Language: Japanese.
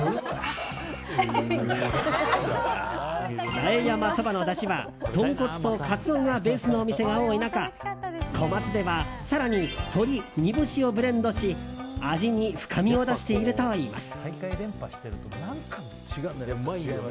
八重山そばのだしは豚骨とカツオがベースのお店が多い中小松では更に鶏、煮干しをブレンドし味に深みを出しているといいます。